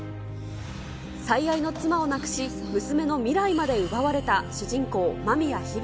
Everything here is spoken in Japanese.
最愛の妻を亡くし、娘のミライまで奪われた主人公、間宮響。